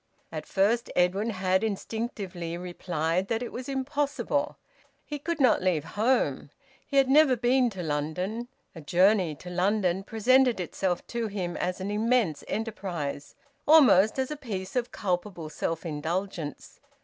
At first Edwin had instinctively replied that it was impossible. He could not leave home. He had never been to London; a journey to London presented itself to him as an immense enterprise, almost as a piece of culpable self indulgence.